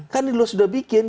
kan di lo sudah bikin